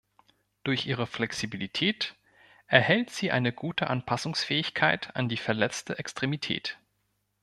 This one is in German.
Durch ihre Flexibilität erhält sie eine gute Anpassungsfähigkeit an die verletzte Extremität.